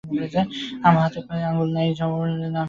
আমার হাতে পায়ে আঙ্গুল চাই সাথে একটা নাভি।